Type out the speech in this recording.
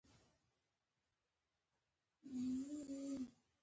زه په کور کي نظم ساتم.